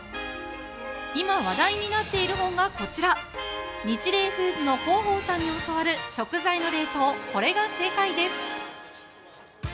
今話題になっている本がこちら、「ニチレイフーズの広報さんに教わる食材の冷凍、これが正解です！」。